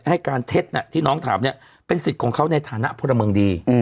ให้การเท็จที่น้องถามเนี่ยเป็นสิทธิ์ของเขาในฐานะพลเมืองดี